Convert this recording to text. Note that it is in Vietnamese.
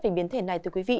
về biến thể này từ quý vị